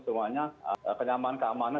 semuanya kenyamanan keamanan